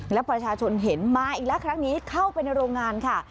และประชาชนเห็นมาอีกแล้วครั้งนี้เข้าไปในโรงงานค่ะ